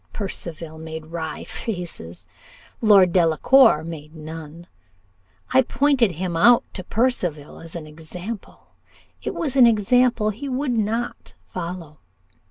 Percival made wry faces Lord Delacour made none. I pointed him out to Percival as an example it was an example he would not follow.